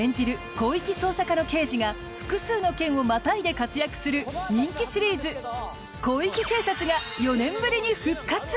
広域捜査課の刑事が複数の県をまたいで活躍する人気シリーズ「広域警察」が４年ぶりに復活。